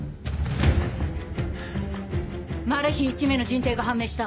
マル被１名の人定が判明した。